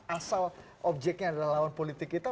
asal objeknya adalah lawan politik kita